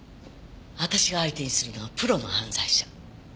私が相手にするのはプロの犯罪者。